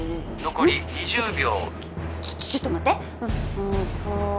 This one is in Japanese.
残り１０秒。